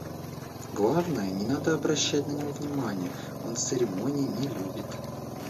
Главное, не надо обращать на него внимания: он церемоний не любит.